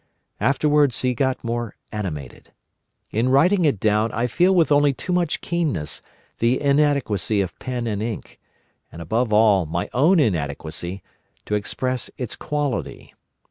Afterwards he got more animated. In writing it down I feel with only too much keenness the inadequacy of pen and ink—and, above all, my own inadequacy—to express its quality.